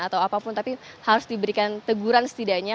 atau apapun tapi harus diberikan teguran setidaknya